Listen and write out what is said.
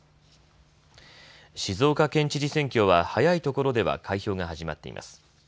静岡県知事選挙は早いところでは開票が始まっています。